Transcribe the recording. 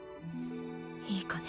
いい子ね。